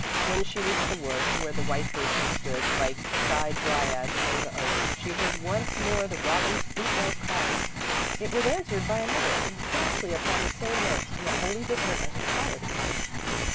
When she reached the woods, where the white birches stood like shy dryads among the oaks, she heard once more the robin's flutelike call. It was answered by another, exactly upon the same notes, yet wholly different as to quality.